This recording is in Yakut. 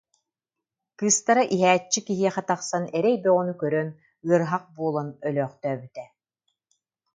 Кыыстара иһээччи киһиэхэ тахсан эрэй бөҕөнү көрөн, ыарыһах буолан өлөөхтөөбүтэ